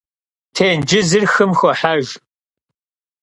Têncızır xım xohejj.